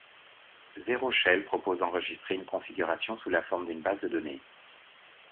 Zeroshell propose d'enregistrer une configuration sous la forme d'une base de données.